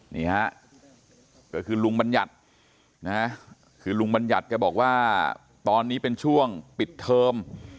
นี่ฮะก็คือลุงบัญญัตินะคือลุงบัญญัติแกบอกว่าตอนนี้เป็นช่วงปิดเทอม